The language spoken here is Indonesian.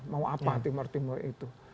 mau apa timur timur itu